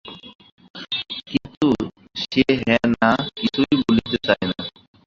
কিন্তু সে হাঁ-না কিছুই বলিতে চায় না।